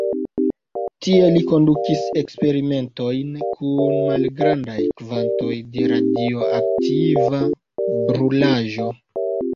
Tie li kondukis eksperimentojn kun malgrandaj kvantoj de radioaktiva brulaĵo.